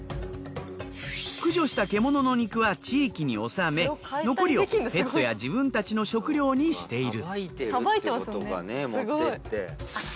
駆除した獣の肉は地域に納め残りをペットや自分たちの食料にしている。